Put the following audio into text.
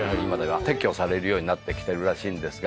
撤去されるようになってきてるらしいんですが